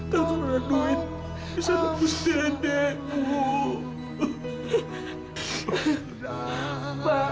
tak ada duit bisa nabur dedekmu